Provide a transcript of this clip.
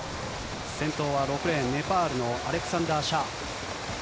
先頭は６レーン、ネパールのアレクサンダー・シャー。